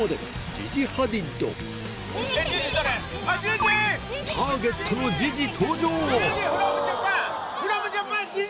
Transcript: ジジ！ターゲットのジジ登場ジジ！